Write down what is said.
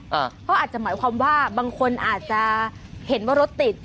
เพราะอาจจะหมายความว่าบางคนอาจจะเห็นว่ารถติด